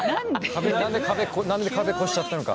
壁何で壁何で壁越しちゃったのか。